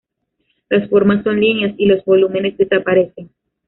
Las formas son líneas y los volúmenes desaparecen.